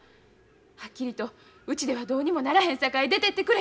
はっきりと「うちではどうにもならへんさかい出てってくれ」